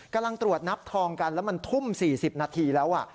กำลังตรวจนับทองกันแล้วมันทุ่ม๔๐นาทีแล้ว